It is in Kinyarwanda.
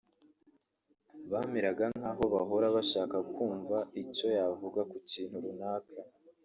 Bameraga nk’aho bahora bashaka kumva icyo yavuga ku kintu runaka